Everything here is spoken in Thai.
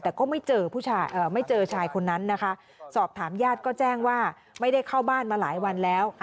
แต่ก็ไม่เจอผู้ชายไม่เจอชายคนนั้นนะคะสอบถามญาติก็แจ้งว่าไม่ได้เข้าบ้านมาหลายวันแล้ว